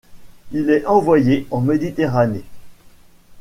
Il est envoyé en Méditerranée.